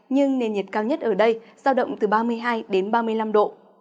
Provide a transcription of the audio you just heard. nhưng nền nhiệt cao nhất ở đây giao động từ ba mươi hai đến ba mươi năm độ